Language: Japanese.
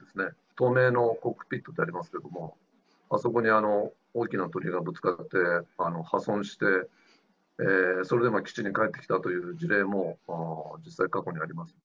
透明のコックピットってありますけれども、そこに大きな鳥がぶつかって破損して、それで基地に帰ってきたという事例も実際、過去にあります。